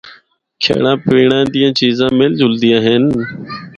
کھینڑا پینڑا دیاں چیزاں مِل جُلدیاں ہن۔